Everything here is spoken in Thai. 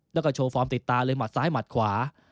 แล้วก็โชว์ฟอร์มติดตาเลยหมัดซ้ายหมัดขวา